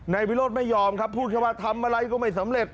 นายวิโรธไม่ยอมครับพูดแค่ว่าทำอะไรก็ไม่สำเร็จ